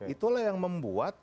itulah yang membuat